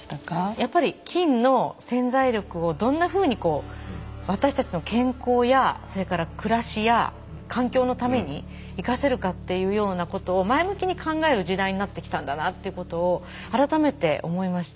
やっぱり菌の潜在力をどんなふうに私たちの健康やそれから暮らしや環境のために生かせるかっていうようなことを前向きに考える時代になってきたんだなということを改めて思いました。